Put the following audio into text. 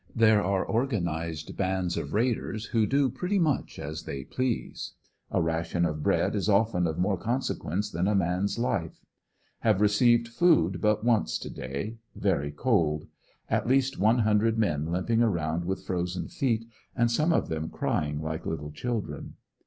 There are organized bands of raiders who do pretty much as they please. A ration of bread is often of more consequence than a man's life. Have received food but once to day; very cold; at least one hundred men limping around with frozen feet, and some of them crying like little children.